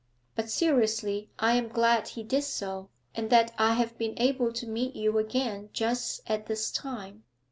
But seriously I am glad he did so, and that I have been able to meet you again just at this time.